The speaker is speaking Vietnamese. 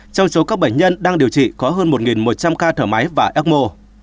trong số các bệnh nhân đang điều trị có hơn một một trăm linh ca thở máy và ecmo